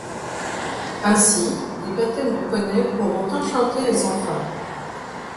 Ainsi, des baptêmes de poneys pourront enchanter les enfants.